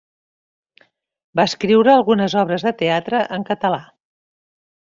Va escriure algunes obres de teatre en català.